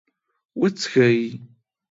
.وڅښئ